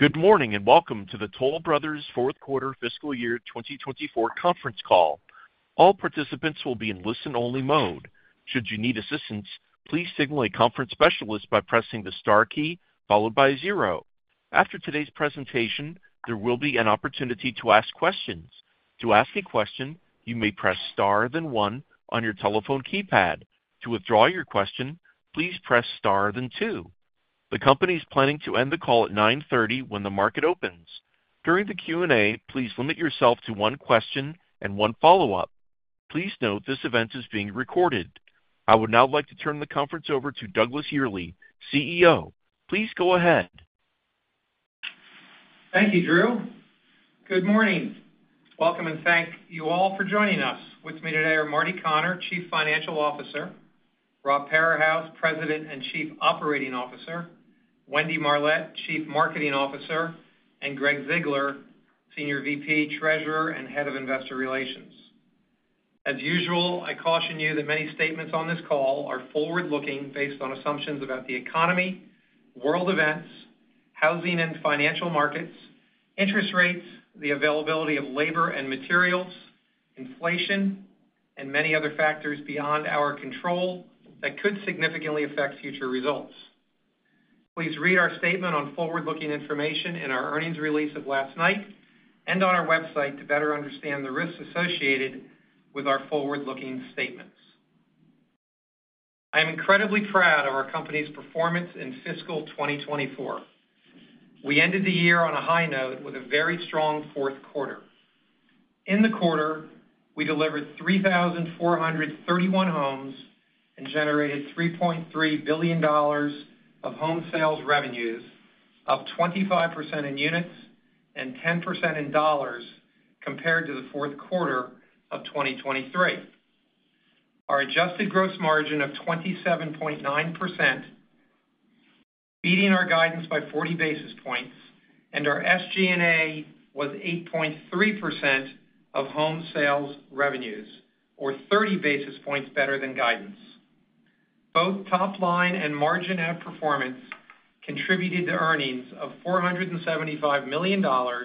Good morning and welcome to the Toll Brothers Fourth Quarter Fiscal Year 2024 conference call. All participants will be in listen-only mode. Should you need assistance, please signal a conference specialist by pressing the star key followed by zero. After today's presentation, there will be an opportunity to ask questions. To ask a question, you may press star then one on your telephone keypad. To withdraw your question, please press star then two. The company is planning to end the call at 9:30 A.M. when the market opens. During the Q&A, please limit yourself to one question and one follow-up. Please note this event is being recorded. I would now like to turn the conference over to Douglas Yearley, CEO. Please go ahead. Thank you, Drew. Good morning. Welcome and thank you all for joining us. With me today are Marty Connor, Chief Financial Officer, Rob Parahus, President and Chief Operating Officer, Wendy Marlett, Chief Marketing Officer, and Gregg Ziegler, Senior VP, Treasurer, and Head of Investor Relations. As usual, I caution you that many statements on this call are forward-looking based on assumptions about the economy, world events, housing and financial markets, interest rates, the availability of labor and materials, inflation, and many other factors beyond our control that could significantly affect future results. Please read our statement on forward-looking information in our earnings release of last night and on our website to better understand the risks associated with our forward-looking statements. I am incredibly proud of our company's performance in fiscal 2024. We ended the year on a high note with a very strong fourth quarter. In the quarter, we delivered 3,431 homes and generated $3.3 billion of home sales revenues, up 25% in units and 10% in dollars compared to the fourth quarter of 2023. Our adjusted gross margin of 27.9%, beating our guidance by 40 basis points, and our SG&A was 8.3% of home sales revenues, or 30 basis points better than guidance. Both top line and margin-added performance contributed to earnings of $475 million, or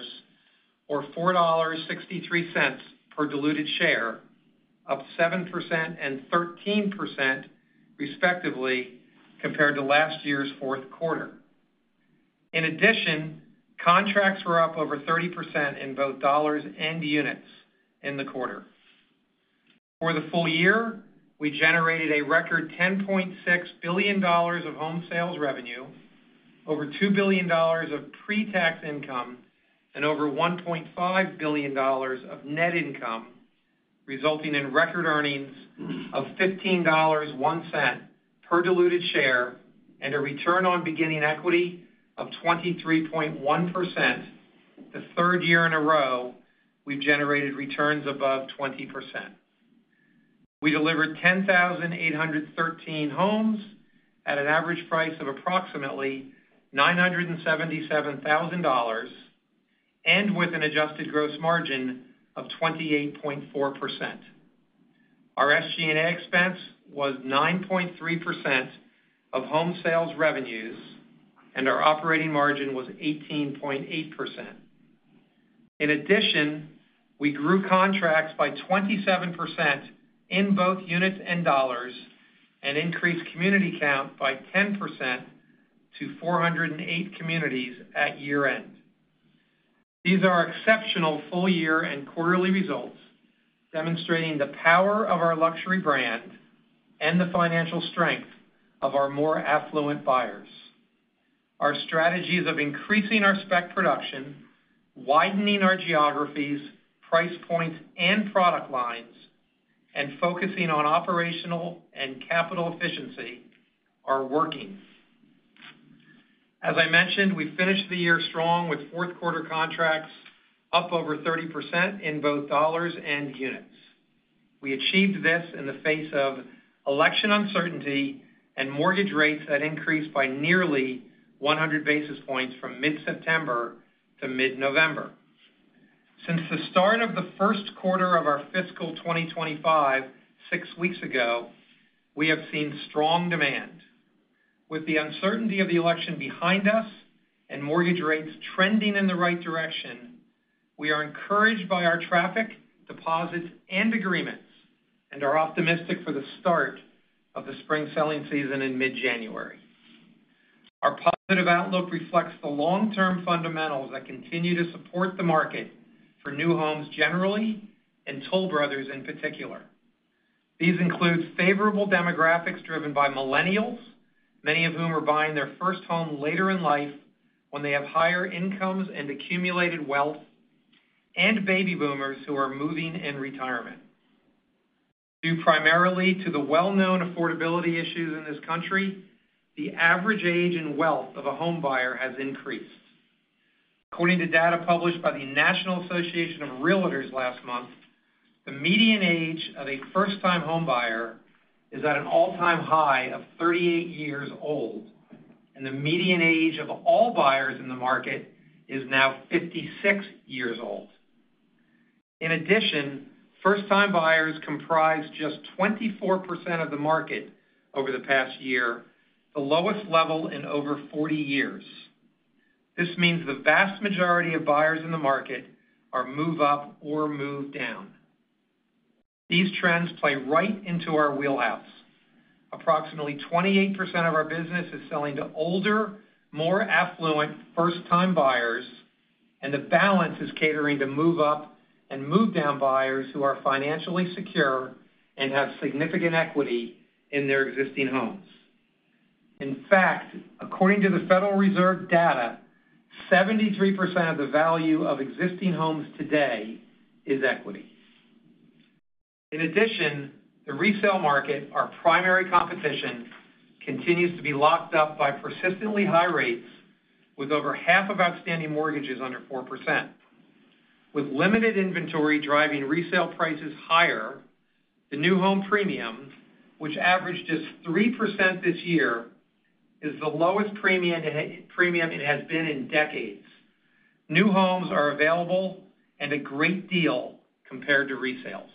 $4.63 per diluted share, up 7% and 13% respectively compared to last year's fourth quarter. In addition, contracts were up over 30% in both dollars and units in the quarter. For the full year, we generated a record $10.6 billion of home sales revenue, over $2 billion of pre-tax income, and over $1.5 billion of net income, resulting in record earnings of $15.01 per diluted share and a return on beginning equity of 23.1%. The third year in a row, we've generated returns above 20%. We delivered 10,813 homes at an average price of approximately $977,000 and with an adjusted gross margin of 28.4%. Our SG&A expense was 9.3% of home sales revenues, and our operating margin was 18.8%. In addition, we grew contracts by 27% in both units and dollars and increased community count by 10% to 408 communities at year-end. These are exceptional full-year and quarterly results, demonstrating the power of our luxury brand and the financial strength of our more affluent buyers. Our strategies of increasing our spec production, widening our geographies, price points, and product lines, and focusing on operational and capital efficiency are working. As I mentioned, we finished the year strong with fourth-quarter contracts up over 30% in both dollars and units. We achieved this in the face of election uncertainty and mortgage rates that increased by nearly 100 basis points from mid-September to mid-November. Since the start of the first quarter of our fiscal 2025, six weeks ago, we have seen strong demand. With the uncertainty of the election behind us and mortgage rates trending in the right direction, we are encouraged by our traffic, deposits, and agreements, and are optimistic for the start of the spring selling season in mid-January. Our positive outlook reflects the long-term fundamentals that continue to support the market for new homes generally and Toll Brothers in particular. These include favorable demographics driven by millennials, many of whom are buying their first home later in life when they have higher incomes and accumulated wealth, and baby boomers who are moving in retirement. Due primarily to the well-known affordability issues in this country, the average age and wealth of a home buyer has increased. According to data published by the National Association of Realtors last month, the median age of a first-time home buyer is at an all-time high of 38 years old, and the median age of all buyers in the market is now 56 years old. In addition, first-time buyers comprise just 24% of the market over the past year, the lowest level in over 40 years. This means the vast majority of buyers in the market are move-up or move-down. These trends play right into our wheelhouse. Approximately 28% of our business is selling to older, more affluent first-time buyers, and the balance is catering to move-up and move-down buyers who are financially secure and have significant equity in their existing homes. In fact, according to the Federal Reserve data, 73% of the value of existing homes today is equity. In addition, the resale market, our primary competition, continues to be locked up by persistently high rates, with over half of outstanding mortgages under 4%. With limited inventory driving resale prices higher, the new home premium, which averaged just 3% this year, is the lowest premium it has been in decades. New homes are available and a great deal compared to resales.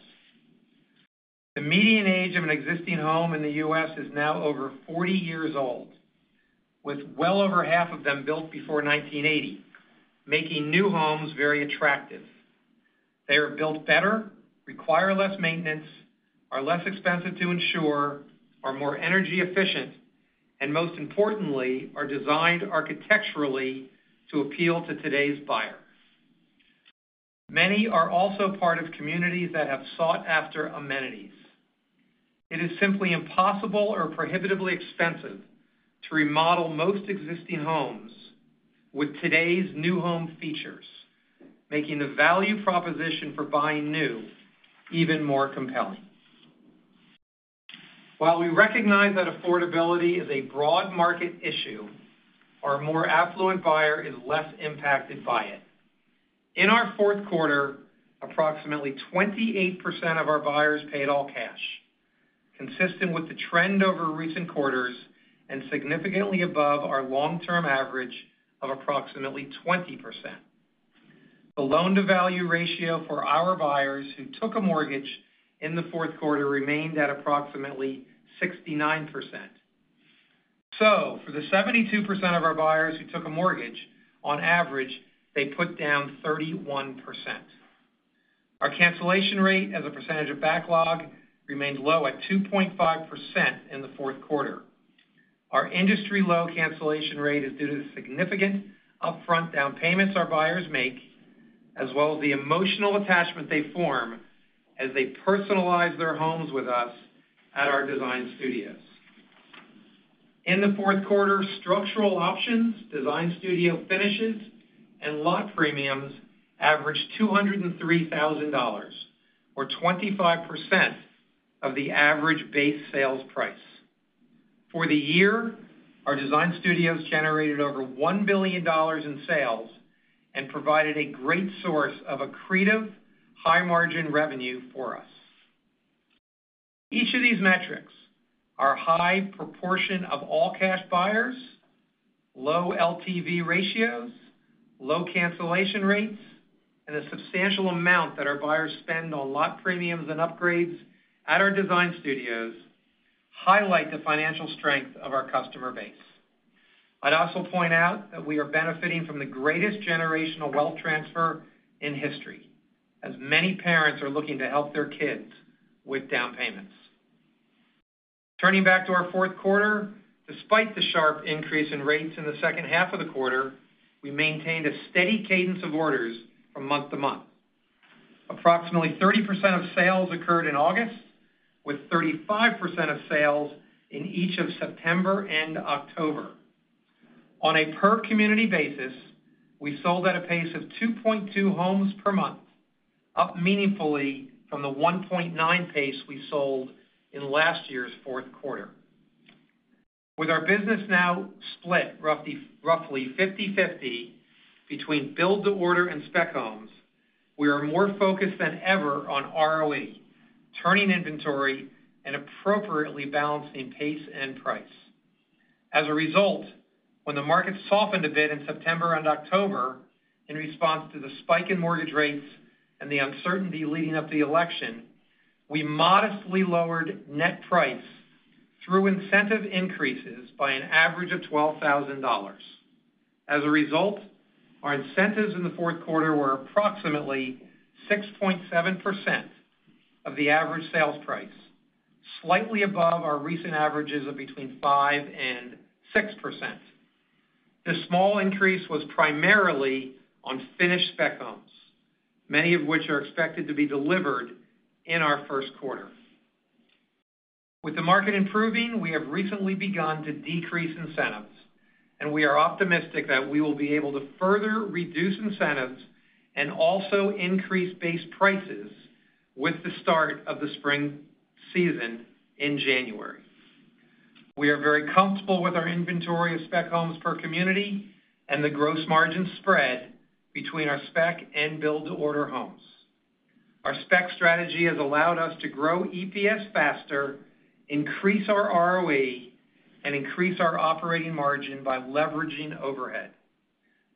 The median age of an existing home in the U.S. is now over 40 years old, with well over half of them built before 1980, making new homes very attractive. They are built better, require less maintenance, are less expensive to insure, are more energy efficient, and most importantly, are designed architecturally to appeal to today's buyers. Many are also part of communities that have sought after amenities. It is simply impossible or prohibitively expensive to remodel most existing homes with today's new home features, making the value proposition for buying new even more compelling. While we recognize that affordability is a broad market issue, our more affluent buyer is less impacted by it. In our fourth quarter, approximately 28% of our buyers paid all cash, consistent with the trend over recent quarters and significantly above our long-term average of approximately 20%. The loan-to-value ratio for our buyers who took a mortgage in the fourth quarter remained at approximately 69%. So for the 72% of our buyers who took a mortgage, on average, they put down 31%. Our cancellation rate as a percentage of backlog remained low at 2.5% in the fourth quarter. Our industry low cancellation rate is due to the significant upfront down payments our buyers make, as well as the emotional attachment they form as they personalize their homes with us at our design studios. In the fourth quarter, structural options, design studio finishes, and lot premiums averaged $203,000, or 25% of the average base sales price. For the year, our design studios generated over $1 billion in sales and provided a great source of accretive high-margin revenue for us. Each of these metrics, our high proportion of all-cash buyers, low LTV ratios, low cancellation rates, and the substantial amount that our buyers spend on lot premiums and upgrades at our design studios, highlight the financial strength of our customer base. I'd also point out that we are benefiting from the greatest generational wealth transfer in history, as many parents are looking to help their kids with down payments. Turning back to our fourth quarter, despite the sharp increase in rates in the second half of the quarter, we maintained a steady cadence of orders from month to month. Approximately 30% of sales occurred in August, with 35% of sales in each of September and October. On a per-community basis, we sold at a pace of 2.2 homes per month, up meaningfully from the 1.9 pace we sold in last year's fourth quarter. With our business now split roughly 50/50 between build-to-order and spec homes, we are more focused than ever on ROE, turning inventory, and appropriately balancing pace and price. As a result, when the market softened a bit in September and October in response to the spike in mortgage rates and the uncertainty leading up to the election, we modestly lowered net price through incentive increases by an average of $12,000. As a result, our incentives in the fourth quarter were approximately 6.7% of the average sales price, slightly above our recent averages of between 5% and 6%. This small increase was primarily on finished spec homes, many of which are expected to be delivered in our first quarter. With the market improving, we have recently begun to decrease incentives, and we are optimistic that we will be able to further reduce incentives and also increase base prices with the start of the spring season in January. We are very comfortable with our inventory of spec homes per community and the gross margin spread between our spec and build-to-order homes. Our spec strategy has allowed us to grow EPS faster, increase our ROE, and increase our operating margin by leveraging overhead.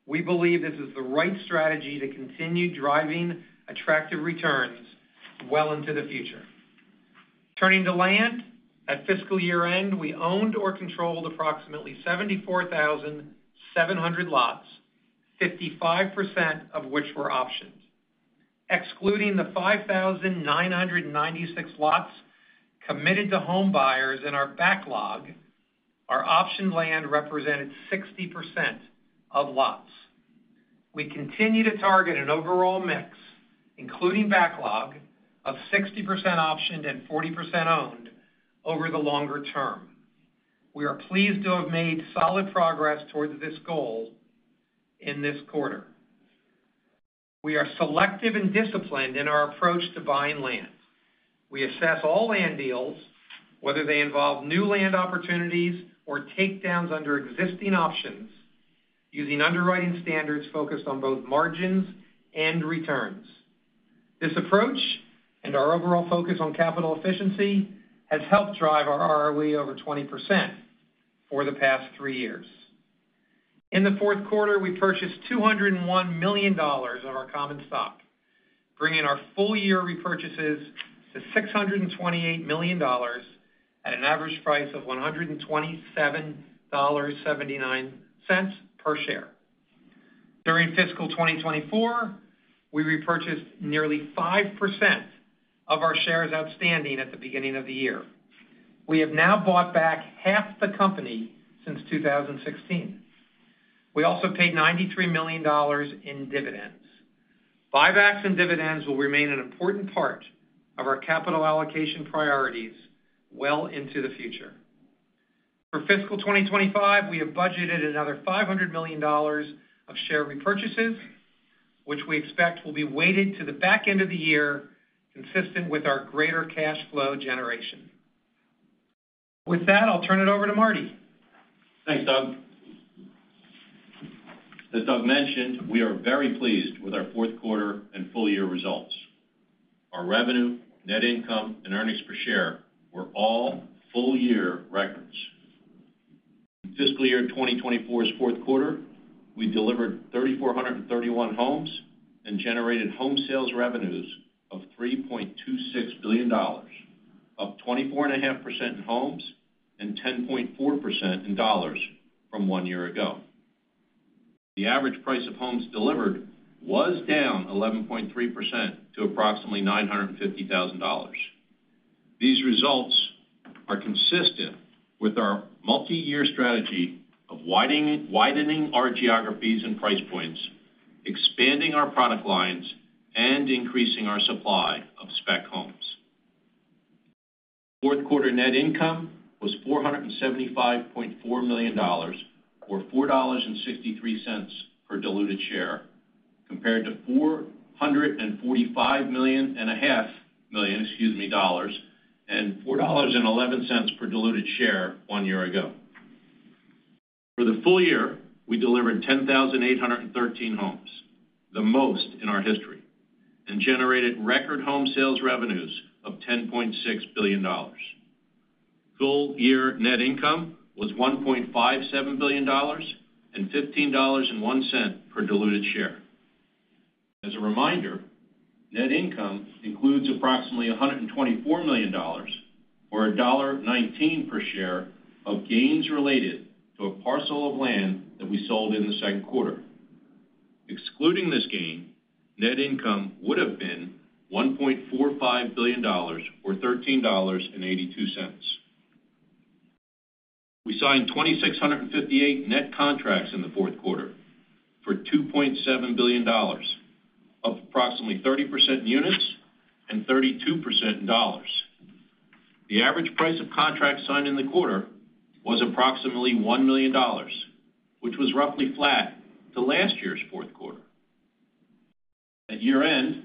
We believe this is the right strategy to continue driving attractive returns well into the future. Turning to land, at fiscal year-end, we owned or controlled approximately 74,700 lots, 55% of which were options. Excluding the 5,996 lots committed to home buyers in our backlog, our optioned land represented 60% of lots. We continue to target an overall mix, including backlog, of 60% optioned and 40% owned over the longer term. We are pleased to have made solid progress towards this goal in this quarter. We are selective and disciplined in our approach to buying land. We assess all land deals, whether they involve new land opportunities or takedowns under existing options, using underwriting standards focused on both margins and returns. This approach and our overall focus on capital efficiency has helped drive our ROE over 20% for the past three years. In the fourth quarter, we purchased $201 million of our common stock, bringing our full-year repurchases to $628 million at an average price of $127.79 per share. During fiscal 2024, we repurchased nearly 5% of our shares outstanding at the beginning of the year. We have now bought back half the company since 2016. We also paid $93 million in dividends. Buybacks and dividends will remain an important part of our capital allocation priorities well into the future. For fiscal 2025, we have budgeted another $500 million of share repurchases, which we expect will be weighted to the back end of the year, consistent with our greater cash flow generation. With that, I'll turn it over to Marty. Thanks, Doug. As Doug mentioned, we are very pleased with our fourth quarter and full-year results. Our revenue, net income, and earnings per share were all full-year records. In fiscal year 2024's fourth quarter, we delivered 3,431 homes and generated home sales revenues of $3.26 billion, up 24.5% in homes and 10.4% in dollars from one year ago. The average price of homes delivered was down 11.3% to approximately $950,000. These results are consistent with our multi-year strategy of widening our geographies and price points, expanding our product lines, and increasing our supply of spec homes. Fourth quarter net income was $475.4 million, or $4.63 per diluted share, compared to $445.5 million, excuse me, dollars and $4.11 per diluted share one year ago. For the full year, we delivered 10,813 homes, the most in our history, and generated record home sales revenues of $10.6 billion. Full-year net income was $1.57 billion and $15.01 per diluted share. As a reminder, net income includes approximately $124 million, or $1.19 per share, of gains related to a parcel of land that we sold in the second quarter. Excluding this gain, net income would have been $1.45 billion, or $13.82. We signed 2,658 net contracts in the fourth quarter for $2.7 billion, of approximately 30% in units and 32% in dollars. The average price of contracts signed in the quarter was approximately $1 million, which was roughly flat to last year's fourth quarter. At year-end,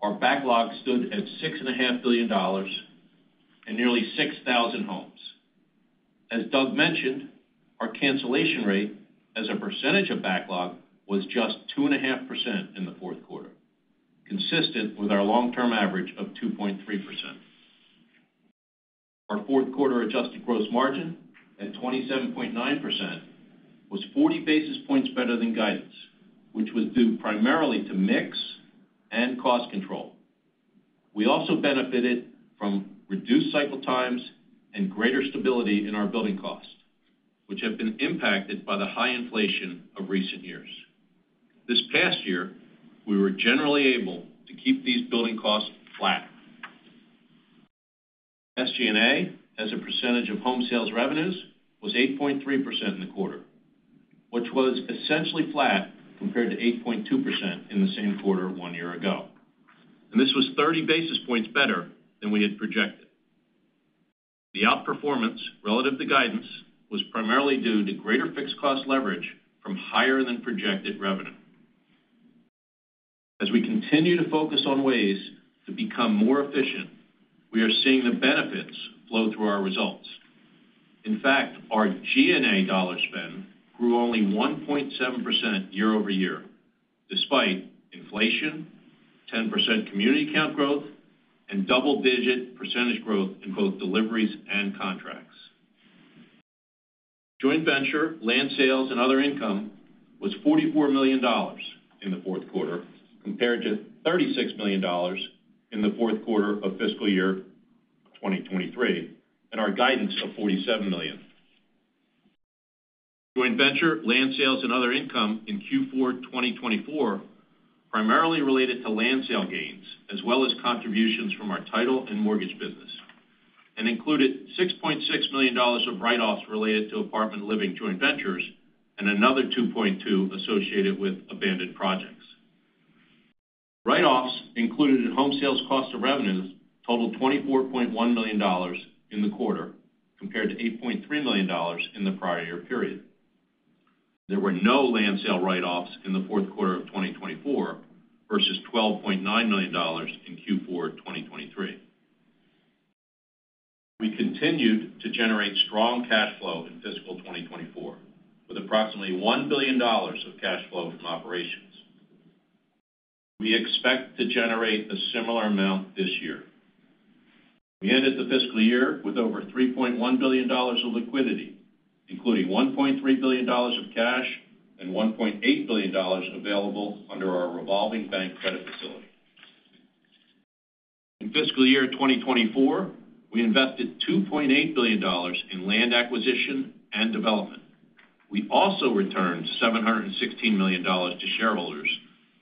our backlog stood at $6.5 billion and nearly 6,000 homes. As Doug mentioned, our cancellation rate as a percentage of backlog was just 2.5% in the fourth quarter, consistent with our long-term average of 2.3%. Our fourth quarter adjusted gross margin at 27.9% was 40 basis points better than guidance, which was due primarily to mix and cost control. We also benefited from reduced cycle times and greater stability in our building costs, which have been impacted by the high inflation of recent years. This past year, we were generally able to keep these building costs flat. SG&A, as a percentage of home sales revenues, was 8.3% in the quarter, which was essentially flat compared to 8.2% in the same quarter one year ago, and this was 30 basis points better than we had projected. The outperformance relative to guidance was primarily due to greater fixed cost leverage from higher-than-projected revenue. As we continue to focus on ways to become more efficient, we are seeing the benefits flow through our results. In fact, our G&A dollar spend grew only 1.7% year over year, despite inflation, 10% community count growth, and double-digit % growth in both deliveries and contracts. Joint venture land sales and other income was $44 million in the fourth quarter, compared to $36 million in the fourth quarter of fiscal year 2023, and our guidance of $47 million. Joint venture land sales and other income in Q4 2024 primarily related to land sale gains, as well as contributions from our title and mortgage business, and included $6.6 million of write-offs related to apartment living joint ventures and another $2.2 million associated with abandoned projects. Write-offs included in home sales cost of revenues totaled $24.1 million in the quarter, compared to $8.3 million in the prior year period. There were no land sale write-offs in the fourth quarter of 2024 versus $12.9 million in Q4 2023. We continued to generate strong cash flow in fiscal 2024, with approximately $1 billion of cash flow from operations. We expect to generate a similar amount this year. We ended the fiscal year with over $3.1 billion of liquidity, including $1.3 billion of cash and $1.8 billion available under our revolving bank credit facility. In fiscal year 2024, we invested $2.8 billion in land acquisition and development. We also returned $716 million to shareholders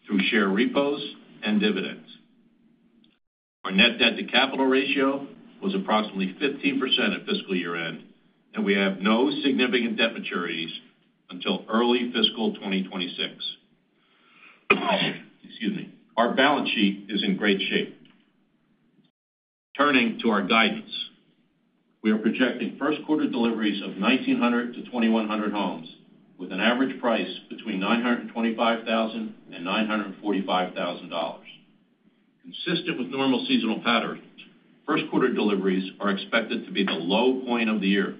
through share repos and dividends. Our net debt-to-capital ratio was approximately 15% at fiscal year-end, and we have no significant debt maturities until early fiscal 2026. Excuse me. Our balance sheet is in great shape. Turning to our guidance, we are projecting first-quarter deliveries of 1,900-2,100 homes with an average price between $925,000 and $945,000. Consistent with normal seasonal patterns, first-quarter deliveries are expected to be the low point of the year,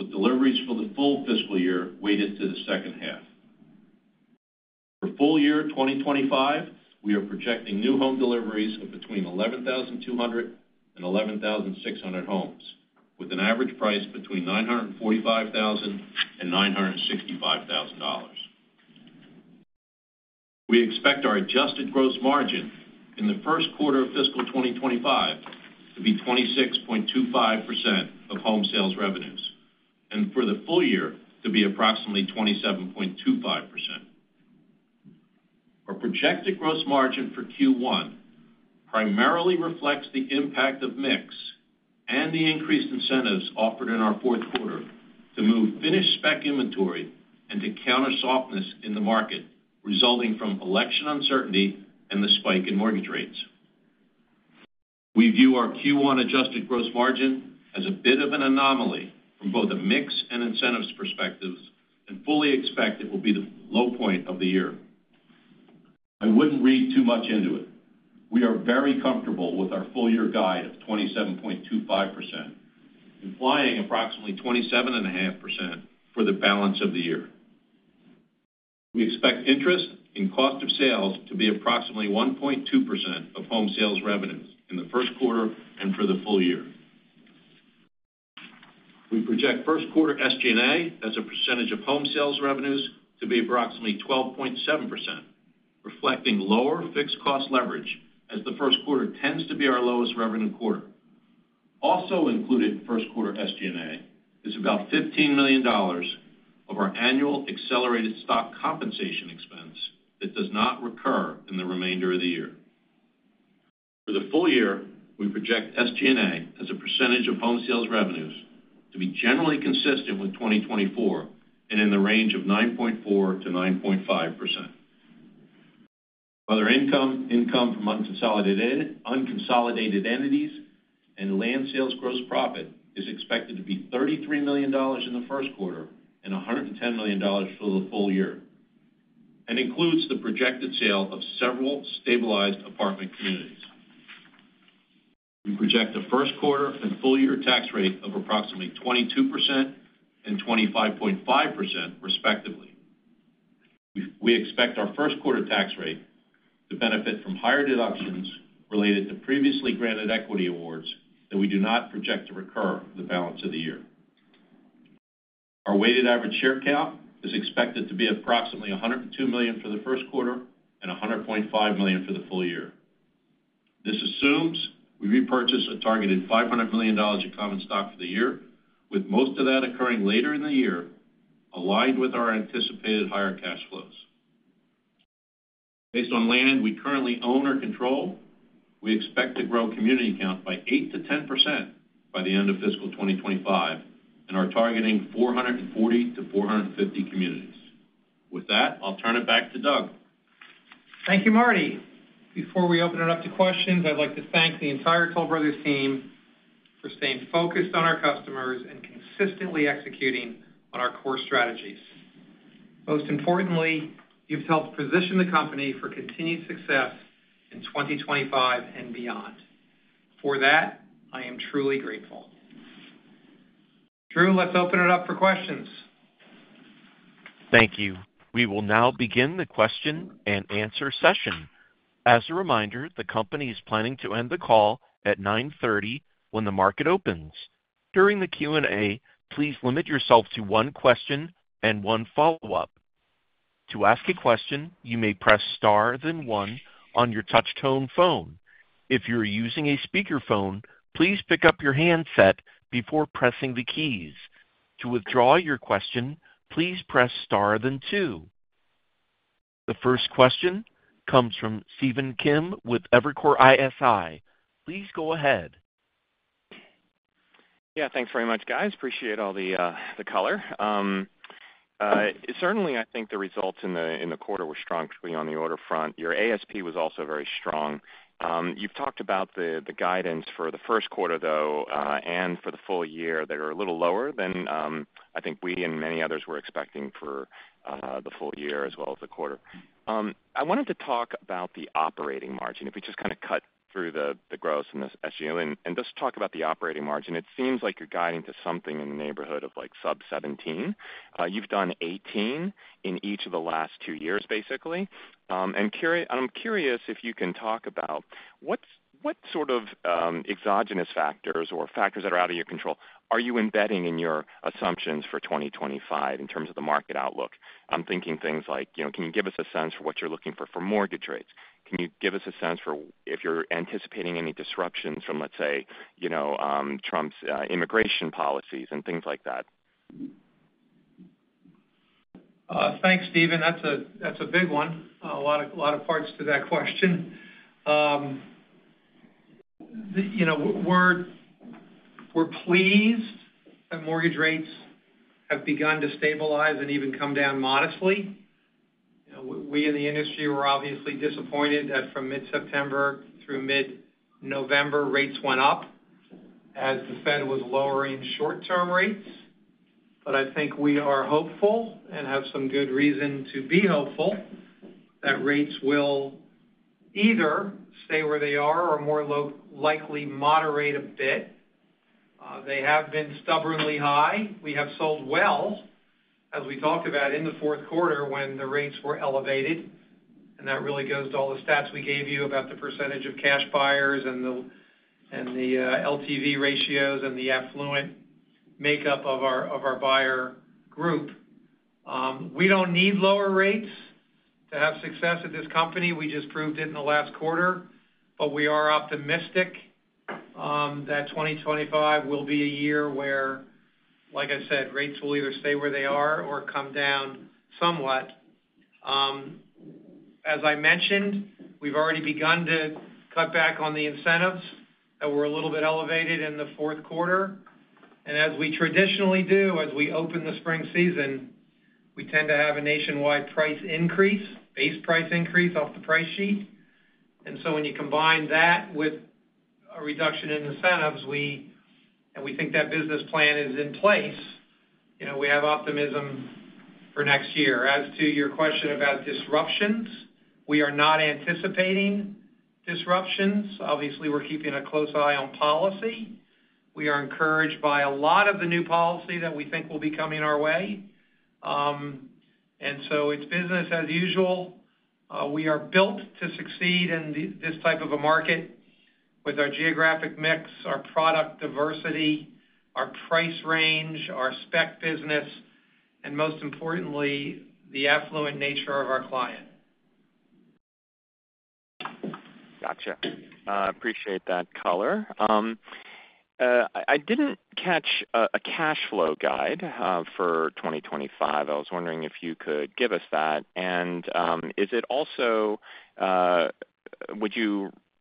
with deliveries for the full fiscal year weighted to the second half. For full year 2025, we are projecting new home deliveries of between 11,200 and 11,600 homes, with an average price between $945,000 and $965,000. We expect our adjusted gross margin in the first quarter of fiscal 2025 to be 26.25% of home sales revenues and for the full year to be approximately 27.25%. Our projected gross margin for Q1 primarily reflects the impact of mix and the increased incentives offered in our fourth quarter to move finished spec inventory and to counter softness in the market resulting from election uncertainty and the spike in mortgage rates. We view our Q1 adjusted gross margin as a bit of an anomaly from both a mix and incentives perspectives and fully expect it will be the low point of the year. I wouldn't read too much into it. We are very comfortable with our full-year guide of 27.25%, implying approximately 27.5% for the balance of the year. We expect interest and cost of sales to be approximately 1.2% of home sales revenues in the first quarter and for the full year. We project first-quarter SG&A as a percentage of home sales revenues to be approximately 12.7%, reflecting lower fixed cost leverage as the first quarter tends to be our lowest revenue quarter. Also included in first-quarter SG&A is about $15 million of our annual accelerated stock compensation expense that does not recur in the remainder of the year. For the full year, we project SG&A as a percentage of home sales revenues to be generally consistent with 2024 and in the range of 9.4%-9.5%. Other income, income from unconsolidated entities, and land sales gross profit is expected to be $33 million in the first quarter and $110 million for the full year, and includes the projected sale of several stabilized apartment communities. We project a first-quarter and full-year tax rate of approximately 22% and 25.5%, respectively. We expect our first-quarter tax rate to benefit from higher deductions related to previously granted equity awards that we do not project to recur the balance of the year. Our weighted average share count is expected to be approximately 102 million for the first quarter and 100.5 million for the full year. This assumes we repurchase a targeted $500 million of common stock for the year, with most of that occurring later in the year, aligned with our anticipated higher cash flows. Based on land we currently own or control, we expect to grow community count by 8%-10% by the end of fiscal 2025, and are targeting 440 to 450 communities. With that, I'll turn it back to Doug. Thank you, Marty. Before we open it up to questions, I'd like to thank the entire Toll Brothers team for staying focused on our customers and consistently executing on our core strategies. Most importantly, you've helped position the company for continued success in 2025 and beyond. For that, I am truly grateful. Drew, let's open it up for questions. Thank you. We will now begin the question and answer session. As a reminder, the company is planning to end the call at 9:30 A.M. when the market opens. During the Q&A, please limit yourself to one question and one follow-up. To ask a question, you may press star then one on your touch-tone phone. If you're using a speakerphone, please pick up your handset before pressing the keys. To withdraw your question, please press star then two. The first question comes from Stephen Kim with Evercore ISI. Please go ahead. Yeah, thanks very much, guys. Appreciate all the color. Certainly, I think the results in the quarter were strong on the order front. Your ASP was also very strong. You've talked about the guidance for the first quarter, though, and for the full year that are a little lower than I think we and many others were expecting for the full year as well as the quarter. I wanted to talk about the operating margin. If we just kind of cut through the gross and the SG&A and just talk about the operating margin, it seems like you're guiding to something in the neighborhood of sub-17. You've done 18 in each of the last two years, basically. And I'm curious if you can talk about what sort of exogenous factors or factors that are out of your control are you embedding in your assumptions for 2025 in terms of the market outlook? I'm thinking things like, can you give us a sense for what you're looking for for mortgage rates? Can you give us a sense for if you're anticipating any disruptions from, let's say, Trump's immigration policies and things like that? Thanks, Stephen. That's a big one. A lot of parts to that question. We're pleased that mortgage rates have begun to stabilize and even come down modestly. We in the industry were obviously disappointed that from mid-September through mid-November, rates went up as the Fed was lowering short-term rates. But I think we are hopeful and have some good reason to be hopeful that rates will either stay where they are or more likely moderate a bit. They have been stubbornly high. We have sold well, as we talked about in the fourth quarter when the rates were elevated. And that really goes to all the stats we gave you about the percentage of cash buyers and the LTV ratios and the affluent makeup of our buyer group. We don't need lower rates to have success at this company. We just proved it in the last quarter. But we are optimistic that 2025 will be a year where, like I said, rates will either stay where they are or come down somewhat. As I mentioned, we've already begun to cut back on the incentives that were a little bit elevated in the fourth quarter, and as we traditionally do, as we open the spring season, we tend to have a nationwide price increase, base price increase off the price sheet. And so when you combine that with a reduction in incentives, and we think that business plan is in place, we have optimism for next year. As to your question about disruptions, we are not anticipating disruptions. Obviously, we're keeping a close eye on policy. We are encouraged by a lot of the new policy that we think will be coming our way, and so it's business as usual. We are built to succeed in this type of a market with our geographic mix, our product diversity, our price range, our spec business, and most importantly, the affluent nature of our client. Gotcha. Appreciate that color. I didn't catch a cash flow guide for 2025. I was wondering if you could give us that. And is it also,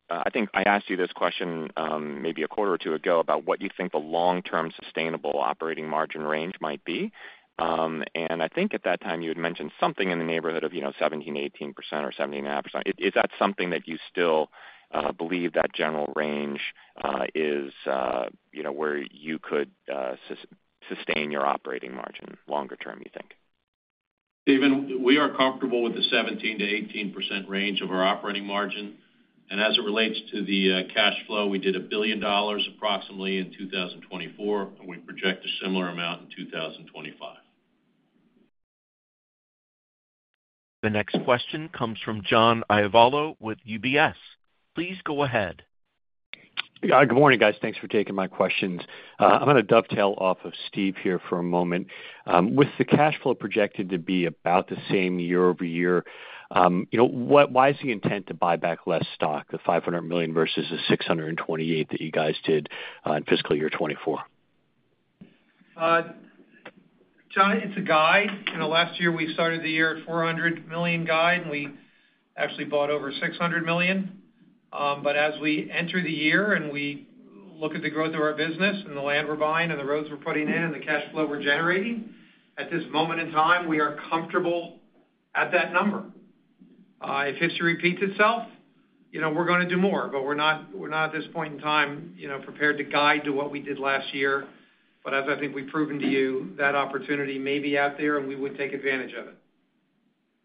I think I asked you this question maybe a quarter or two ago about what you think the long-term sustainable operating margin range might be. And I think at that time you had mentioned something in the neighborhood of 17%-18% or 17.5%. Is that something that you still believe that general range is where you could sustain your operating margin longer term, you think? Stephen, we are comfortable with the 17%-18% range of our operating margin. And as it relates to the cash flow, we did approximately $1 billion in 2024, and we project a similar amount in 2025. The next question comes from John Lovallo with UBS. Please go ahead. Good morning, guys. Thanks for taking my questions. I'm going to dovetail off of Steve here for a moment. With the cash flow projected to be about the same year over year, why is the intent to buy back less stock, the $500 million versus the $628 million that you guys did in fiscal year 2024? John, it's a guide. Last year, we started the year at $400 million guide, and we actually bought over $600 million. But as we enter the year and we look at the growth of our business and the land we're buying and the roads we're putting in and the cash flow we're generating, at this moment in time, we are comfortable at that number. If history repeats itself, we're going to do more. But we're not at this point in time prepared to guide to what we did last year. But as I think we've proven to you, that opportunity may be out there, and we would take advantage of it.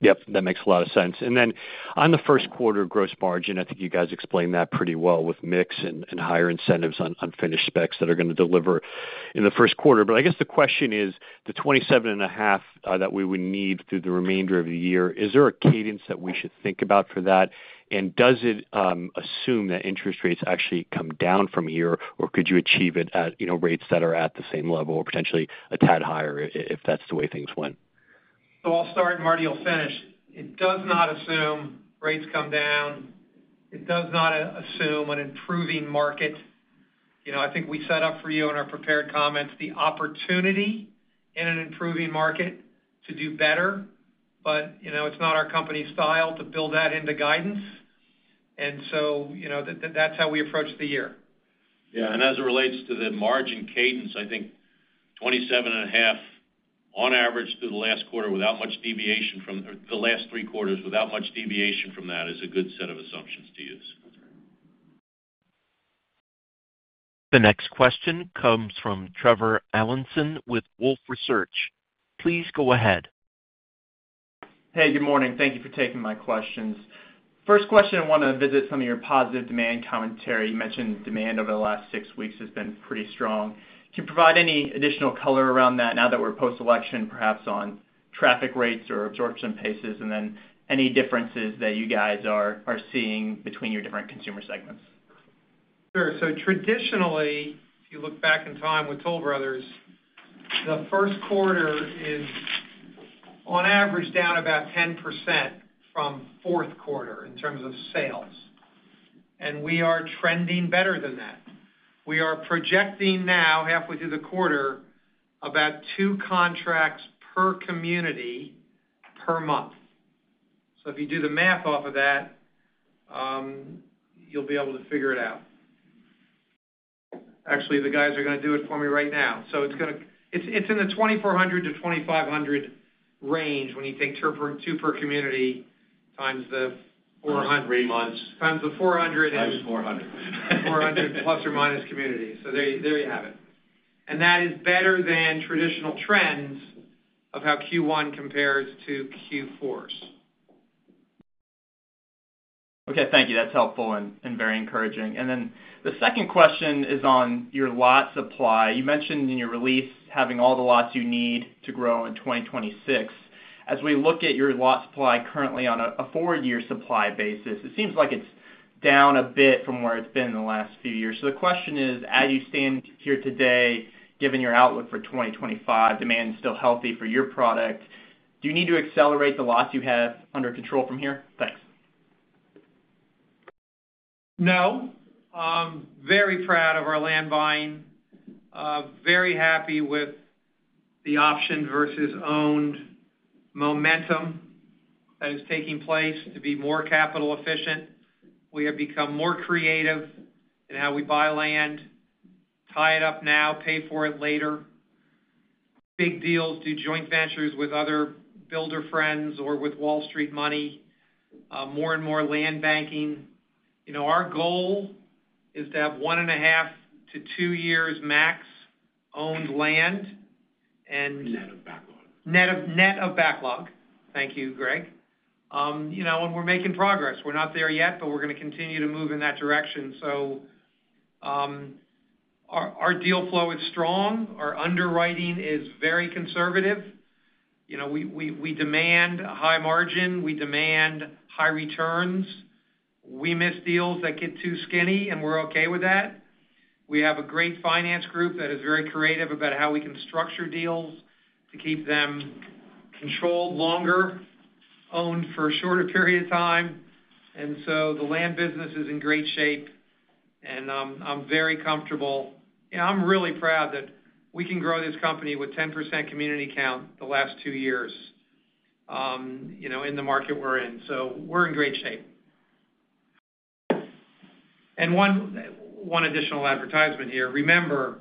Yep. That makes a lot of sense. And then on the first quarter gross margin, I think you guys explained that pretty well with mix and higher incentives on finished specs that are going to deliver in the first quarter. But I guess the question is, the 27.5% that we would need through the remainder of the year, is there a cadence that we should think about for that? And does it assume that interest rates actually come down from here, or could you achieve it at rates that are at the same level or potentially a tad higher if that's the way things went? So I'll start, and Marty will finish. It does not assume rates come down. It does not assume an improving market. I think we set up for you in our prepared comments the opportunity in an improving market to do better. But it's not our company style to build that into guidance. And so that's how we approach the year. Yeah. And as it relates to the margin cadence, I think 27.5% on average through the last quarter without much deviation from the last three quarters, without much deviation from that is a good set of assumptions to use. The next question comes from Trevor Allinson with Wolfe Research. Please go ahead. Hey, good morning. Thank you for taking my questions. First question, I want to visit some of your positive demand commentary. You mentioned demand over the last six weeks has been pretty strong. Can you provide any additional color around that now that we're post-election, perhaps on traffic rates or absorption paces, and then any differences that you guys are seeing between your different consumer segments? Sure. So traditionally, if you look back in time with Toll Brothers, the first quarter is on average down about 10% from fourth quarter in terms of sales. And we are trending better than that. We are projecting now, halfway through the quarter, about two contracts per community per month. So if you do the math off of that, you'll be able to figure it out. Actually, the guys are going to do it for me right now. So it's in the 2,400-2,500 range when you take two per community times the 400. Three months. Times 400. 400 plus or minus communities. So there you have it. That is better than traditional trends of how Q1 compares to Q4s. Okay. Thank you. That's helpful and very encouraging. Then the second question is on your lot supply. You mentioned in your release having all the lots you need to grow in 2026. As we look at your lot supply currently on a four-year supply basis, it seems like it's down a bit from where it's been in the last few years. So the question is, as you stand here today, given your outlook for 2025, demand is still healthy for your product. Do you need to accelerate the lots you have under control from here? Thanks. No. Very proud of our land buying. Very happy with the option versus owned momentum that is taking place to be more capital efficient. We have become more creative in how we buy land, tie it up now, pay for it later, big deals, do joint ventures with other builder friends or with Wall Street money, more and more land banking. Our goal is to have one and a half to two years max owned land net of backlog. Thank you, Gregg. We're making progress. We're not there yet, but we're going to continue to move in that direction. Our deal flow is strong. Our underwriting is very conservative. We demand high margin. We demand high returns. We miss deals that get too skinny, and we're okay with that. We have a great finance group that is very creative about how we can structure deals to keep them controlled longer, owned for a shorter period of time. And so the land business is in great shape, and I'm very comfortable. I'm really proud that we can grow this company with 10% community count the last two years in the market we're in. So we're in great shape. And one additional advertisement here. Remember,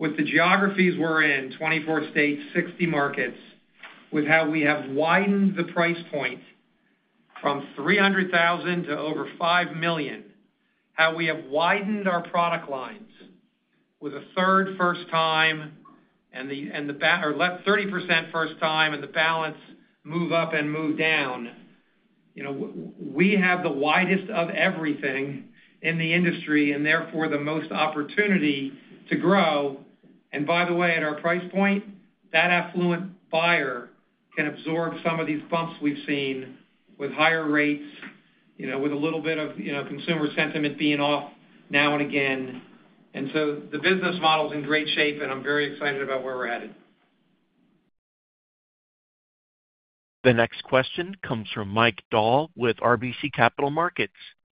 with the geographies we're in, 24 states, 60 markets, with how we have widened the price point from $300,000 to over $5 million, how we have widened our product lines with a third first-time and the left 30% first-time and the balance move-up and move-down. We have the widest of everything in the industry and therefore the most opportunity to grow. And by the way, at our price point, that affluent buyer can absorb some of these bumps we've seen with higher rates, with a little bit of consumer sentiment being off now and again. And so the business model is in great shape, and I'm very excited about where we're headed. The next question comes from Michael Dahl with RBC Capital Markets.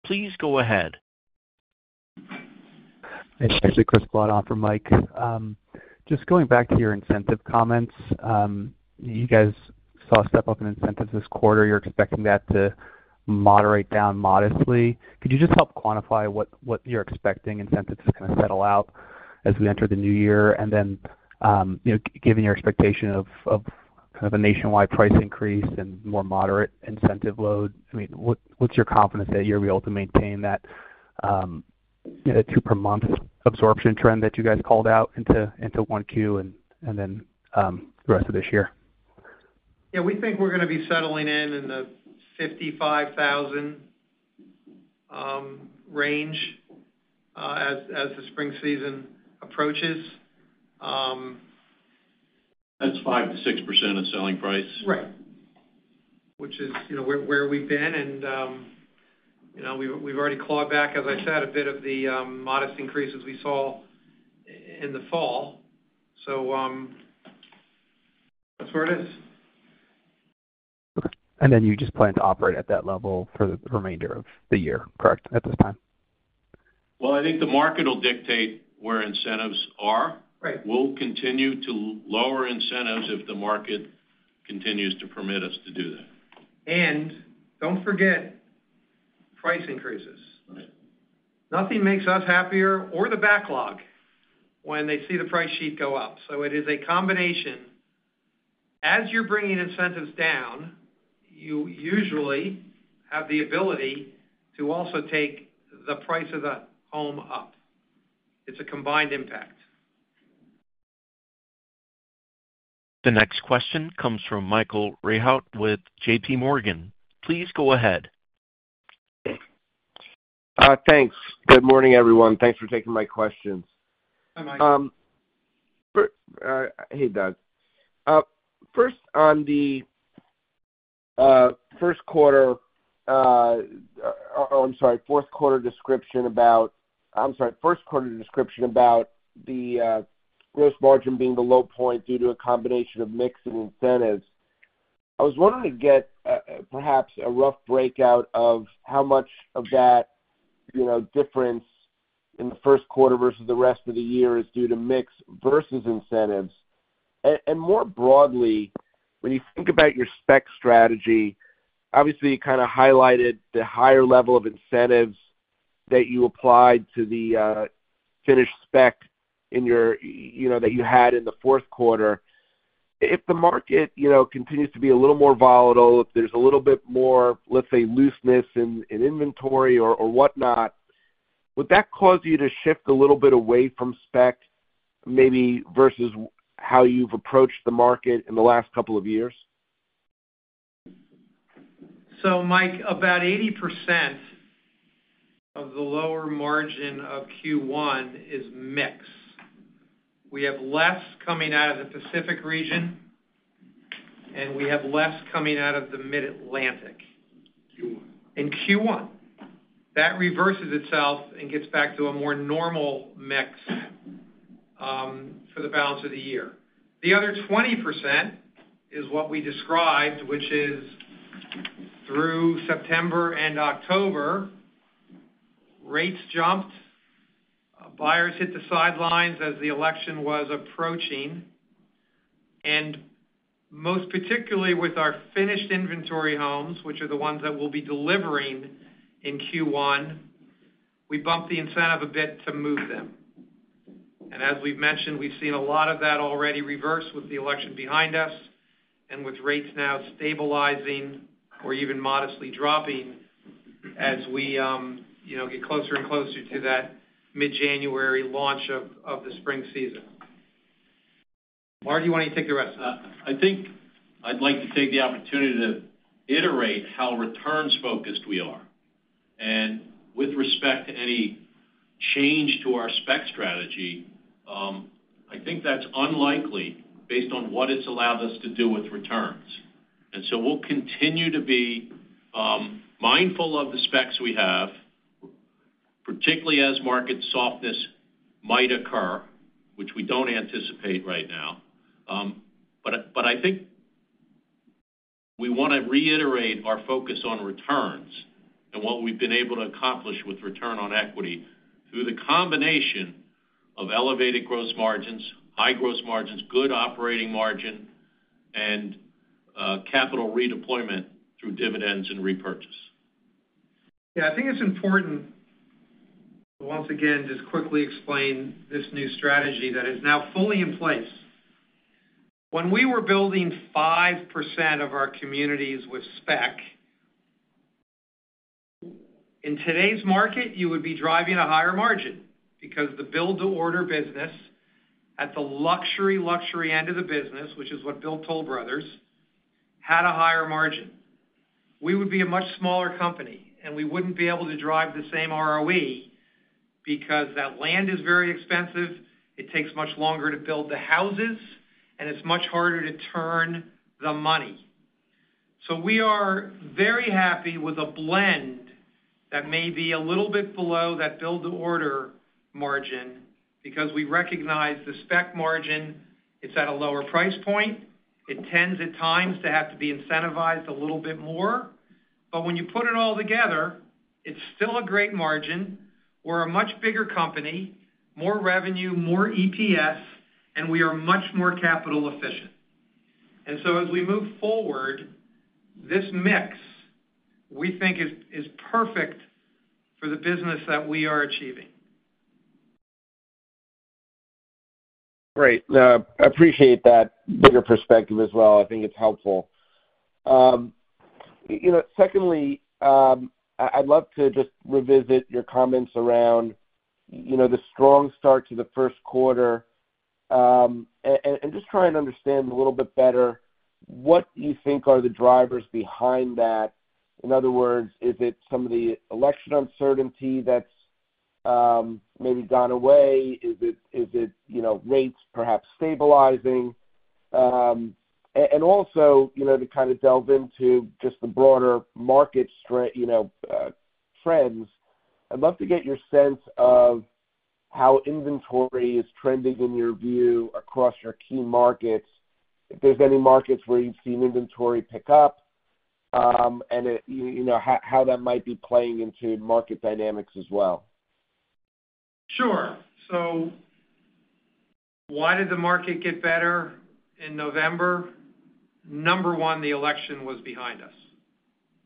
Please go ahead. Thanks, actually. Chris Kalata for Mike. Just going back to your incentive comments, you guys saw a step up in incentives this quarter. You're expecting that to moderate down modestly. Could you just help quantify what you're expecting incentives to kind of settle out as we enter the new year? And then given your expectation of kind of a nationwide price increase and more moderate incentive load, I mean, what's your confidence that you'll be able to maintain that two-per-month absorption trend that you guys called out into one Q and then the rest of this year? Yeah. We think we're going to be settling in the 55,000 range as the spring season approaches. That's 5%-6% of selling price. Right. Which is where we've been. And we've already clawed back, as I said, a bit of the modest increases we saw in the fall. So that's where it is. Okay. And then you just plan to operate at that level for the remainder of the year, correct, at this time? Well, I think the market will dictate where incentives are. We'll continue to lower incentives if the market continues to permit us to do that. And don't forget price increases. Nothing makes us happier or the backlog when they see the price sheet go up. So it is a combination. As you're bringing incentives down, you usually have the ability to also take the price of the home up. It's a combined impact. The next question comes from Michael Rehaut with JPMorgan. Please go ahead. Thanks. Good morning, everyone. Thanks for taking my questions. Hi, Mike. I hate that. First on the first quarter, oh, I'm sorry. Fourth quarter description about, I'm sorry. First quarter description about the gross margin being the low point due to a combination of mix and incentives. I was wanting to get perhaps a rough breakout of how much of that difference in the first quarter versus the rest of the year is due to mix versus incentives. And more broadly, when you think about your spec strategy, obviously you kind of highlighted the higher level of incentives that you applied to the finished spec that you had in the fourth quarter. If the market continues to be a little more volatile, if there's a little bit more, let's say, looseness in inventory or whatnot, would that cause you to shift a little bit away from spec maybe versus how you've approached the market in the last couple of years? So, Mike, about 80% of the lower margin of Q1 is mix. We have less coming out of the Pacific region, and we have less coming out of the Mid-Atlantic. In Q1. That reverses itself and gets back to a more normal mix for the balance of the year. The other 20% is what we described, which is through September and October, rates jumped, buyers hit the sidelines as the election was approaching. And most particularly with our finished inventory homes, which are the ones that we'll be delivering in Q1, we bumped the incentive a bit to move them. As we've mentioned, we've seen a lot of that already reverse with the election behind us and with rates now stabilizing or even modestly dropping as we get closer and closer to that mid-January launch of the spring season. Marty, do you want to take the rest of that? I think I'd like to take the opportunity to iterate how returns-focused we are. With respect to any change to our spec strategy, I think that's unlikely based on what it's allowed us to do with returns. So we'll continue to be mindful of the specs we have, particularly as market softness might occur, which we don't anticipate right now. But I think we want to reiterate our focus on returns and what we've been able to accomplish with return on equity through the combination of elevated gross margins, high gross margins, good operating margin, and capital redeployment through dividends and repurchase. Yeah. I think it's important to once again just quickly explain this new strategy that is now fully in place. When we were building 5% of our communities with spec, in today's market, you would be driving a higher margin because the build-to-order business at the luxury, luxury end of the business, which is what built Toll Brothers, had a higher margin. We would be a much smaller company, and we wouldn't be able to drive the same ROE because that land is very expensive. It takes much longer to build the houses, and it's much harder to turn the money. So we are very happy with a blend that may be a little bit below that build-to-order margin because we recognize the spec margin. It's at a lower price point. It tends at times to have to be incentivized a little bit more. But when you put it all together, it's still a great margin. We're a much bigger company, more revenue, more EPS, and we are much more capital efficient. And so as we move forward, this mix we think is perfect for the business that we are achieving. Great. I appreciate that bigger perspective as well. I think it's helpful. Secondly, I'd love to just revisit your comments around the strong start to the first quarter and just try and understand a little bit better what you think are the drivers behind that. In other words, is it some of the election uncertainty that's maybe gone away? Is it rates perhaps stabilizing? And also to kind of delve into just the broader market trends, I'd love to get your sense of how inventory is trending in your view across your key markets, if there's any markets where you've seen inventory pick up, and how that might be playing into market dynamics as well. Sure. So why did the market get better in November? Number one, the election was behind us.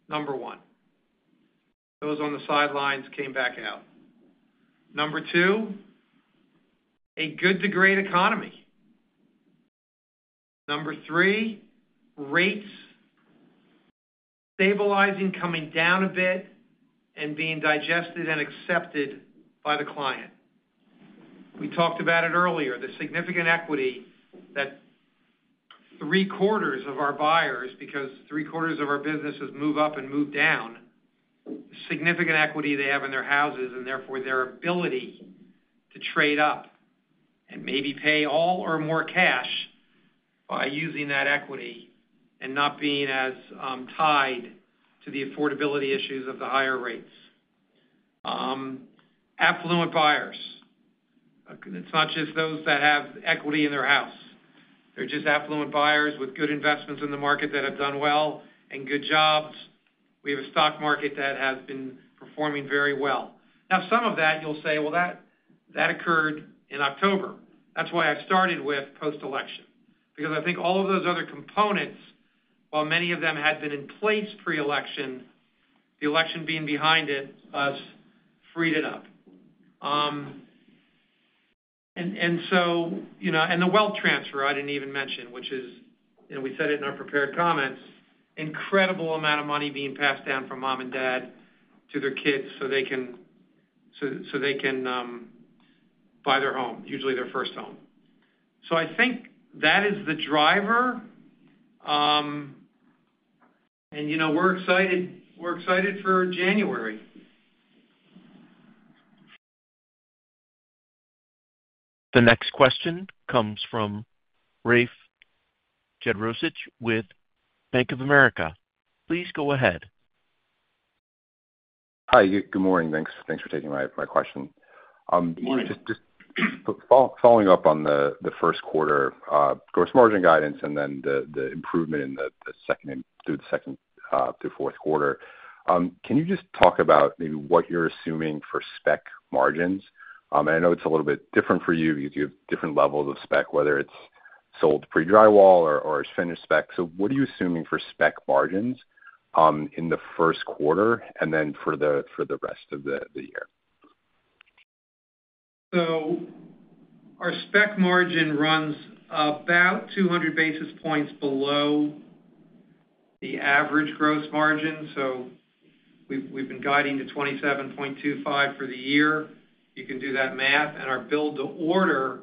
Number one. Those on the sidelines came back out. Number two, a good-to-great economy. Number three, rates stabilizing, coming down a bit and being digested and accepted by the client. We talked about it earlier. The significant equity that three-quarters of our buyers have, because three-quarters of our businesses move up and move down, the significant equity they have in their houses and therefore their ability to trade up and maybe pay all or more cash by using that equity and not being as tied to the affordability issues of the higher rates. Affluent buyers. It's not just those that have equity in their house. They're just affluent buyers with good investments in the market that have done well and good jobs. We have a stock market that has been performing very well. Now, some of that, you'll say, "Well, that occurred in October." That's why I started with post-election, because I think all of those other components, while many of them had been in place pre-election, the election being behind it has freed it up. And the wealth transfer I didn't even mention, which is, and we said it in our prepared comments, incredible amount of money being passed down from mom and dad to their kids so they can buy their home, usually their first home. So I think that is the driver. And we're excited for January. The next question comes from Rafe Jadrosich with Bank of America. Please go ahead. Hi. Good morning. Thanks for taking my question. Good morning. Just following up on the first quarter gross margin guidance and then the improvement in the second through fourth quarter, can you just talk about maybe what you're assuming for spec margins? And I know it's a little bit different for you because you have different levels of spec, whether it's sold pre-drywall or it's finished spec. So what are you assuming for spec margins in the first quarter and then for the rest of the year? So our spec margin runs about 200 basis points below the average gross margin. So we've been guiding to 27.25 for the year. You can do that math. And our build-to-order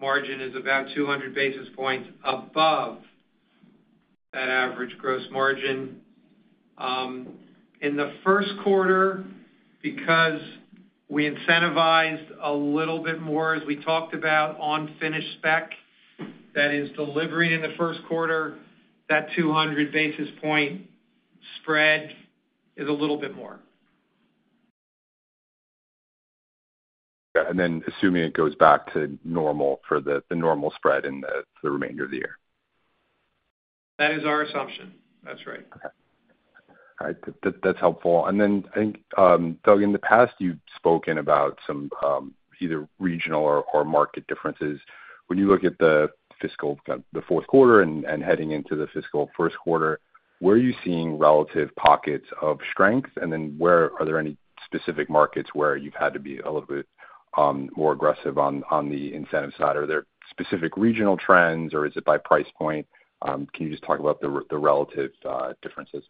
margin is about 200 basis points above that average gross margin. In the first quarter, because we incentivized a little bit more, as we talked about on finished spec that is delivering in the first quarter, that 200 basis point spread is a little bit more. And then assuming it goes back to normal for the normal spread in the remainder of the year. That is our assumption. That's right. Okay. All right. That's helpful. And then I think, Doug, in the past, you've spoken about some either regional or market differences. When you look at the fiscal kind of the fourth quarter and heading into the fiscal first quarter, where are you seeing relative pockets of strength? And then are there any specific markets where you've had to be a little bit more aggressive on the incentive side? Are there specific regional trends, or is it by price point? Can you just talk about the relative differences?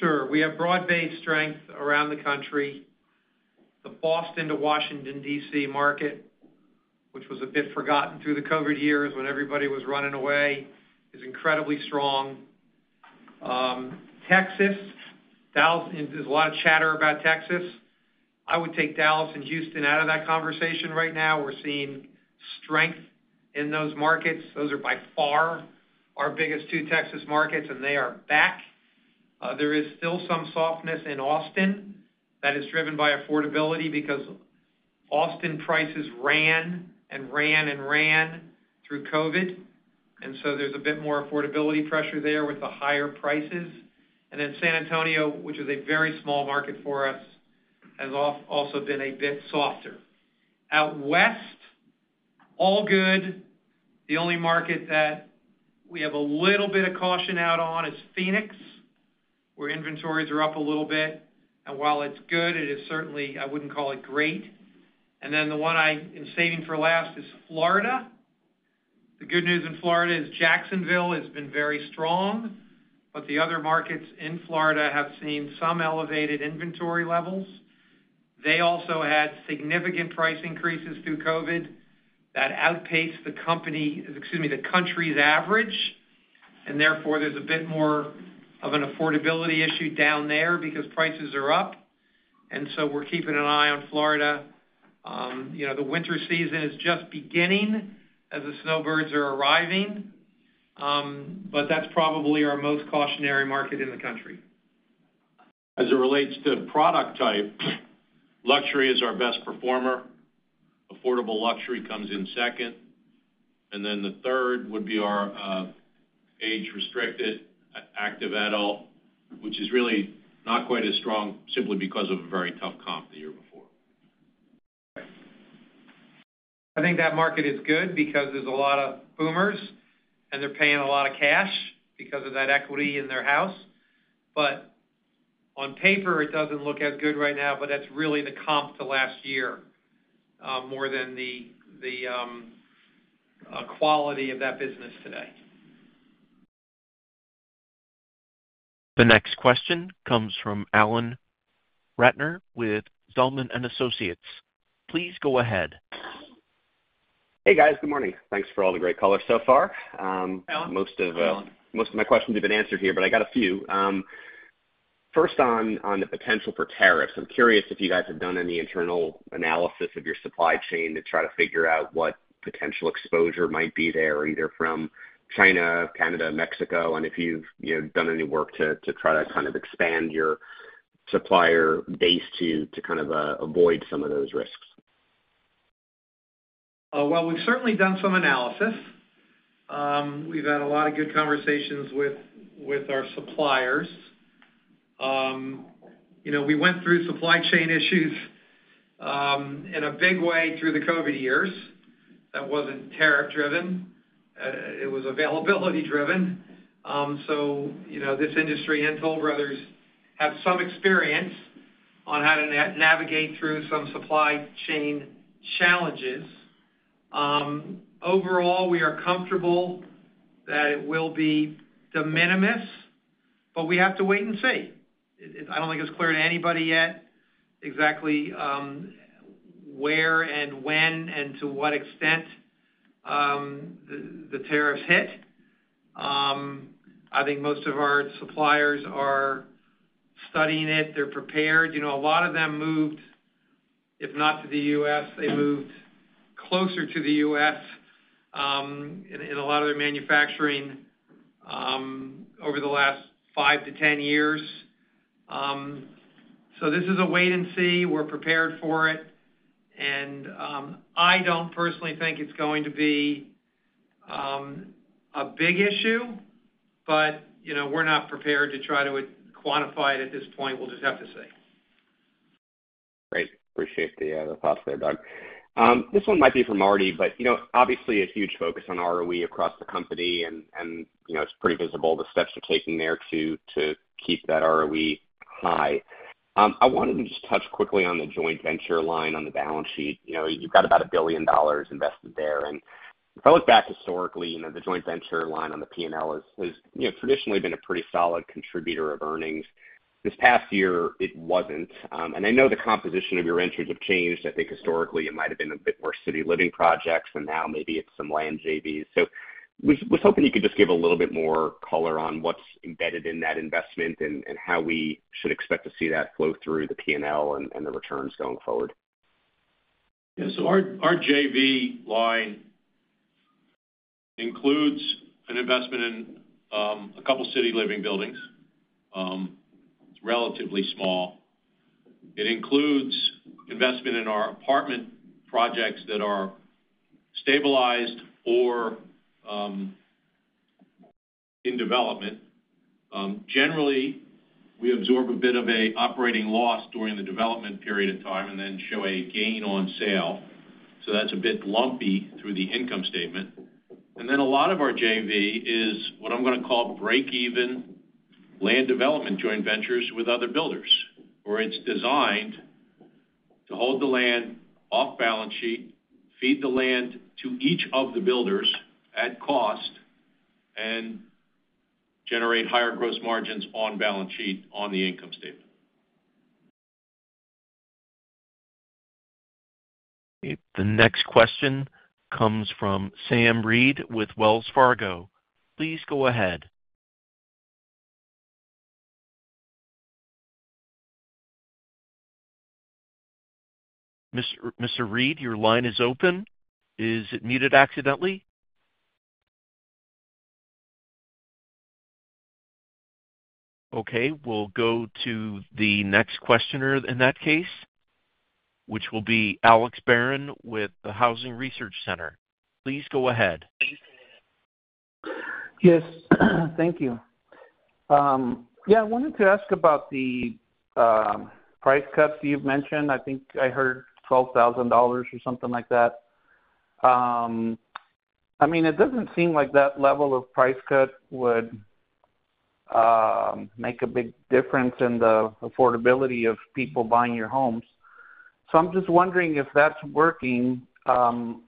Sure. We have broad-based strength around the country. The Boston to Washington, D.C. market, which was a bit forgotten through the COVID years when everybody was running away, is incredibly strong. Texas, there's a lot of chatter about Texas. I would take Dallas and Houston out of that conversation right now. We're seeing strength in those markets. Those are by far our biggest two Texas markets, and they are back. There is still some softness in Austin that is driven by affordability because Austin prices ran and ran and ran through COVID. And so there's a bit more affordability pressure there with the higher prices. And then San Antonio, which is a very small market for us, has also been a bit softer. Out west, all good. The only market that we have a little bit of caution out on is Phoenix, where inventories are up a little bit. And while it's good, it is certainly, I wouldn't call it great. And then the one I am saving for last is Florida. The good news in Florida is Jacksonville has been very strong, but the other markets in Florida have seen some elevated inventory levels. They also had significant price increases through COVID that outpaced the company, excuse me, the country's average. Therefore, there's a bit more of an affordability issue down there because prices are up. So we're keeping an eye on Florida. The winter season is just beginning as the snowbirds are arriving, but that's probably our most cautionary market in the country. As it relates to product type, luxury is our best performer. Affordable luxury comes in second. Then the third would be our age-restricted active adult, which is really not quite as strong simply because of a very tough comp the year before. I think that market is good because there's a lot of boomers, and they're paying a lot of cash because of that equity in their house. But on paper, it doesn't look as good right now, but that's really the comp to last year more than the quality of that business today. The next question comes from Alan Ratner with Zelman & Associates. Please go ahead. Hey, guys. Good morning. Thanks for all the great color so far. Most of my questions have been answered here, but I got a few. First, on the potential for tariffs, I'm curious if you guys have done any internal analysis of your supply chain to try to figure out what potential exposure might be there, either from China, Canada, Mexico, and if you've done any work to try to kind of expand your supplier base to kind of avoid some of those risks. Well, we've certainly done some analysis. We've had a lot of good conversations with our suppliers. We went through supply chain issues in a big way through the COVID years. That wasn't tariff-driven. It was availability-driven. So this industry and Toll Brothers have some experience on how to navigate through some supply chain challenges. Overall, we are comfortable that it will be de minimis, but we have to wait and see. I don't think it's clear to anybody yet exactly where and when and to what extent the tariffs hit. I think most of our suppliers are studying it. They're prepared. A lot of them moved, if not to the U.S., they moved closer to the U.S. in a lot of their manufacturing over the last five to 10 years. So this is a wait and see. We're prepared for it. And I don't personally think it's going to be a big issue, but we're not prepared to try to quantify it at this point. We'll just have to see. Great. Appreciate the thoughts there, Doug. This one might be from Marty, but obviously, a huge focus on ROE across the company, and it's pretty visible the steps you're taking there to keep that ROE high. I wanted to just touch quickly on the joint venture line on the balance sheet. You've got about $1 billion invested there. And if I look back historically, the joint venture line on the P&L has traditionally been a pretty solid contributor of earnings. This past year, it wasn't. And I know the composition of your ventures have changed. I think historically, it might have been a bit more City Living projects, and now maybe it's some land JVs. So I was hoping you could just give a little bit more color on what's embedded in that investment and how we should expect to see that flow through the P&L and the returns going forward. Yeah. So our JV line includes an investment in a couple of City Living buildings. It's relatively small. It includes investment in our apartment projects that are stabilized or in development. Generally, we absorb a bit of an operating loss during the development period of time and then show a gain on sale. So that's a bit lumpy through the income statement. And then a lot of our JV is what I'm going to call break-even land development joint ventures with other builders, where it's designed to hold the land off balance sheet, feed the land to each of the builders at cost, and generate higher gross margins on balance sheet on the income statement. The next question comes from Sam Reid with Wells Fargo. Please go ahead. Mr. Reid, your line is open. Is it muted accidentally? Okay. We'll go to the next questioner in that case, which will be Alex Barron with the Housing Research Center. Please go ahead. Yes. Thank you. Yeah. I wanted to ask about the price cuts you've mentioned. I think I heard $12,000 or something like that. I mean, it doesn't seem like that level of price cut would make a big difference in the affordability of people buying your homes. So I'm just wondering if that's working. Is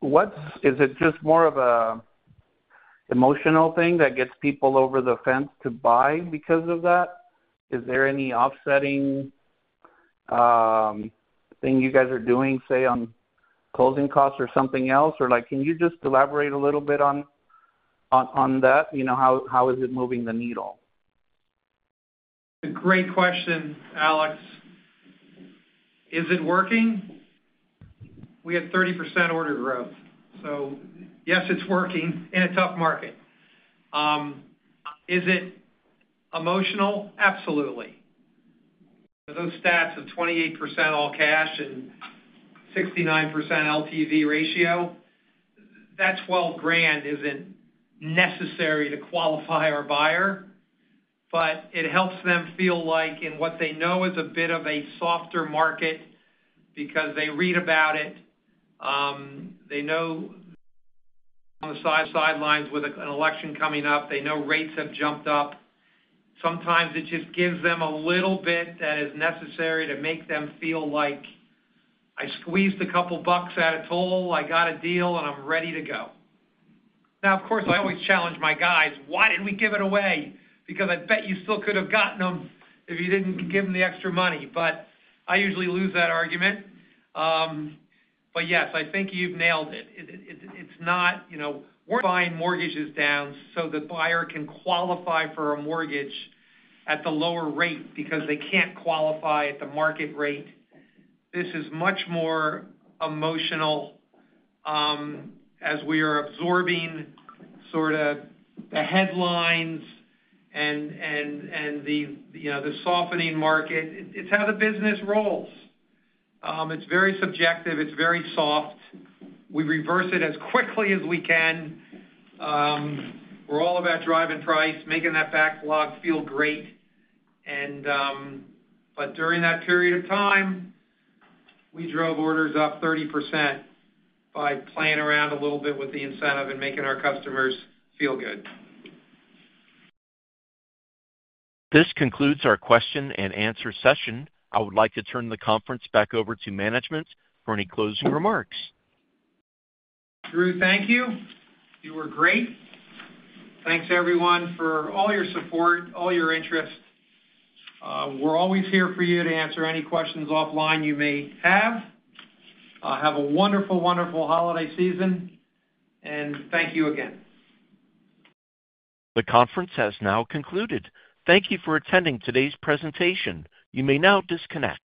it just more of an emotional thing that gets people over the fence to buy because of that? Is there any offsetting thing you guys are doing, say, on closing costs or something else? Or can you just elaborate a little bit on that? How is it moving the needle? It's a great question, Alex. Is it working? We had 30% order growth. So yes, it's working in a tough market. Is it emotional? Absolutely. Those stats of 28% all cash and 69% LTV ratio, that $12,000 isn't necessary to qualify our buyer, but it helps them feel like in what they know is a bit of a softer market because they read about it. They know on the sidelines with an election coming up, they know rates have jumped up. Sometimes it just gives them a little bit that is necessary to make them feel like, "I squeezed a couple of bucks out of Toll. I got a deal, and I'm ready to go." Now, of course, I always challenge my guys, "Why did we give it away?" Because I bet you still could have gotten them if you didn't give them the extra money. But I usually lose that argument. But yes, I think you've nailed it. It's not. We're buying mortgages down so the buyer can qualify for a mortgage at the lower rate because they can't qualify at the market rate. This is much more emotional as we are absorbing sort of the headlines and the softening market. It's how the business rolls. It's very subjective. It's very soft. We reverse it as quickly as we can. We're all about driving price, making that backlog feel great. But during that period of time, we drove orders up 30% by playing around a little bit with the incentive and making our customers feel good. This concludes our question-and-answer session. I would like to turn the conference back over to management for any closing remarks. Drew, thank you. You were great. Thanks, everyone, for all your support, all your interest. We're always here for you to answer any questions offline you may have. Have a wonderful, wonderful holiday season, and thank you again. The conference has now concluded. Thank you for attending today's presentation. You may now disconnect.